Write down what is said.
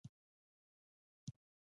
• د ښوونځي ماشومان پر چوتره کښېناستل.